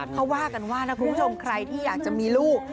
เขาว่ากันว่านะคุณผู้ชมใครที่อยากจะมีลูก